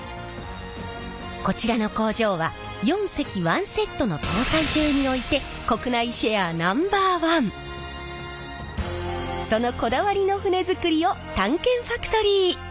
こちらの工場は４隻１セットの搭載艇においてそのこだわりの船造りを探検ファクトリー。